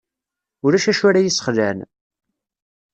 Ulac acu ara yi-sxelɛen.